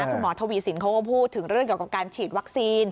คุณหมอทวีสินเขาก็พูดถึงเรื่องเกี่ยวกับการฉีดวัคซีน